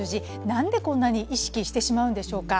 なんでこんなに意識してしまうんでしょうか。